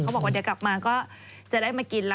บอกว่าเดี๋ยวกลับมาก็จะได้มากินแล้ว